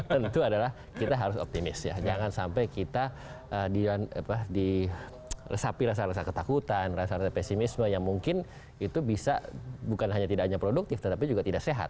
tentu adalah kita harus optimis ya jangan sampai kita diresapi rasa rasa ketakutan rasa rasa pesimisme yang mungkin itu bisa bukan hanya tidak hanya produktif tetapi juga tidak sehat